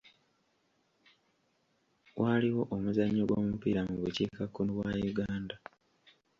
Waaliwo omuzannyo gw'omupiira mu bukiikakkono bwa Uganda.